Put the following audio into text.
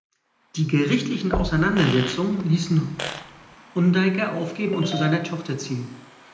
Die gerichtlichen Auseinandersetzungen ließen Hundeiker aufgeben und zu seiner Tochter ziehen.